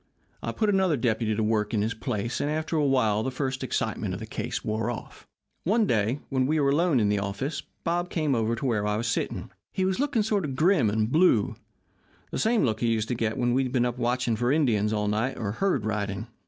I put another deputy to work in his place, and after a while, the first excitement of the case wore off. "One day when we were alone in the office Bob came over to where I was sitting. He was looking sort of grim and blue the same look he used to get when he'd been up watching for Indians all night or herd riding.